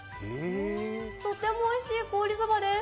とてもおいしい凍りそばです。